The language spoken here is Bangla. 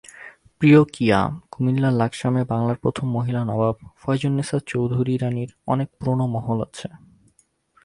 প্রিয় কিআ, কুমিল্লার লাকসামে বাংলার প্রথম মহিলা নবাব ফয়জুন্নেসা চৌধুরানীর অনেক পুরোনো মহল আছে।